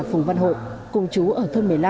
phùng văn hội cùng chú ở thôn một mươi năm